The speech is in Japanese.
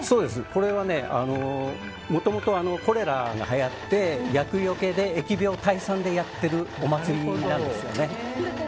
これはもともとコレラがはやって厄除けで疫病退散でやっているお祭りなんですね。